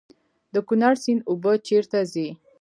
د کونړ سیند اوبه چیرته ځي؟